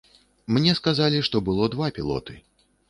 Мне сказалі што было два пілоты.